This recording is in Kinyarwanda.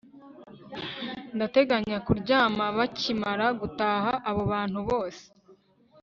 Ndateganya kuryama bakimara gutaha abo bantu bose